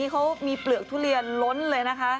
เขามีเปลือกทุเรียนล้นเลยนะคะ